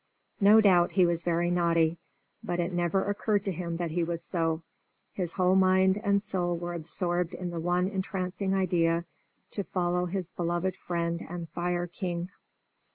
No doubt he was very naughty, but it never occurred to him that he was so: his whole mind and soul were absorbed in the one entrancing idea, to follow his beloved friend and fire king.